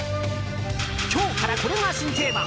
今日から、これが新定番。